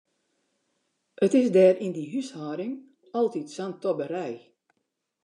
It is dêr yn dy húshâlding altyd sa'n tobberij.